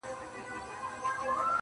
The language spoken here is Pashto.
پلونه یې بادونو له زمان سره شړلي دي!.